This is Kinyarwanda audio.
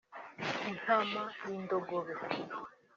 intama n’indogobe